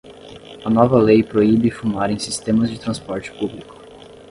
A nova lei proíbe fumar em sistemas de transporte público.